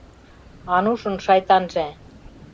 Анушын Шайтанже.